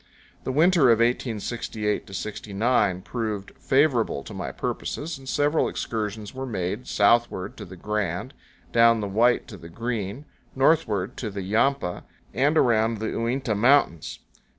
The winter of 1868 69 proved favorable to my purposes, and several excursions were made, southward to the Grand, down the White to the Green, northward to the Yampa, and around the Uinta Mountains.